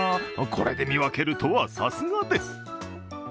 これで見分けるとはさすがです。